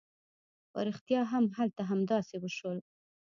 په رښتيا هم هلته همداسې وشول.